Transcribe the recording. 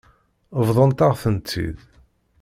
Bḍant-aɣ-tent-id.